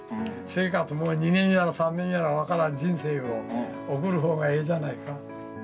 生活も２年やら３年やら分からん人生を送る方がええじゃないか。